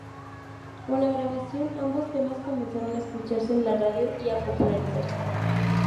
Con la grabación, ambos temas comenzaron a escucharse en la radio y a popularizarse.